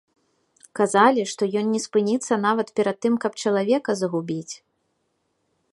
Казалі, што ён не спыніцца нават перад тым, каб чалавека загубіць.